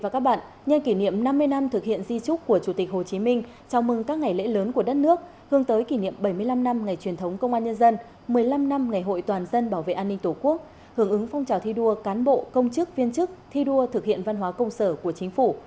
công an thực hiện di trúc của chủ tịch hồ chí minh chào mừng các ngày lễ lớn của đất nước hướng tới kỷ niệm bảy mươi năm năm ngày truyền thống công an nhân dân một mươi năm năm ngày hội toàn dân bảo vệ an ninh tổ quốc hưởng ứng phong trào thi đua cán bộ công chức viên chức thi đua thực hiện văn hóa công sở của chính phủ